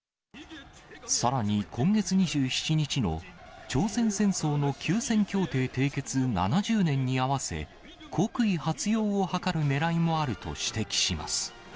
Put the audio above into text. さらに今月２７日の朝鮮戦争の休戦協定締結７０年に合わせ、国威発揚を図るねらいもあると指摘します。